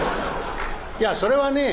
いやそれはねぇ